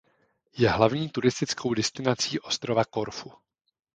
Je hlavní turistickou destinací ostrova Korfu.